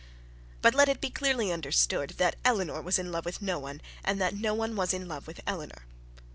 But let it be clearly understood that Eleanor was in love with no one, and that no one was in love with Eleanor.